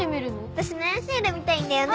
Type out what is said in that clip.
私ねシール見たいんだよね。